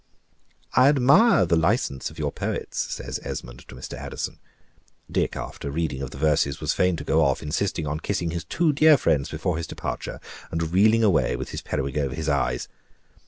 "I admire the license of your poets," says Esmond to Mr. Addison. (Dick, after reading of the verses, was fain to go off, insisting on kissing his two dear friends before his departure, and reeling away with his periwig over his eyes.)